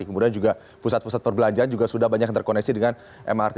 kemudian juga pusat pusat perbelanjaan juga sudah banyak yang terkoneksi dengan mrt